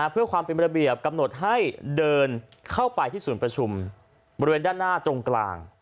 เพื่อความเป็นระเบียบกำหนดให้เดินเข้าไปที่ศูนย์ประชุมบริเวณด้านหน้าตรงกลาง